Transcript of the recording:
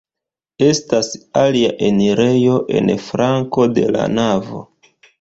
Estas alia enirejo en flanko de la navo.